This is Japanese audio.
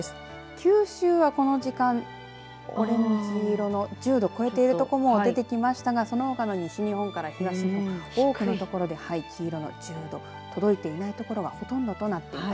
九州は、この時間オレンジ色の１０度を超えている所も出てきましたがそのほかの西日本から東日本多くの所で黄色の１０度届いていない所がほとんどとなっています。